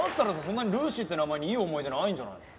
そんなにルーシーって名前にいい思い出ないんじゃないの？